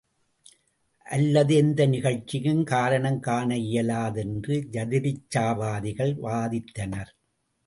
அல்லது எந்த நிகழ்ச்சிக்கும் காரணம் காண இயலாது என்று யதிருச்சாவாதிகள் வாதித்தனர்.